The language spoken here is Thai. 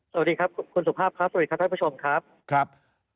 สวัสดีครับคุณสุภาพครับสวัสดีครับท่านผู้ชมครับครับ